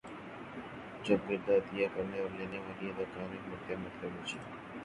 جب گردہ عطیہ کرنے اور لینے والی اداکارائیں مرتے مرتے بچیں